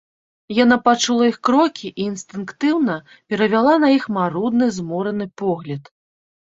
Яна пачула іх крокі і інстынктыўна перавяла на іх марудны, змораны погляд.